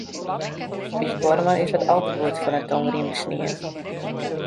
Us buorman is wat al te goed fan 'e tongrieme snien.